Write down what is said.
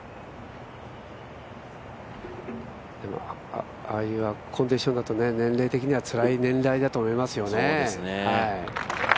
でもああいうコンディションだと、年齢的にはつらい年代だと思いますよ。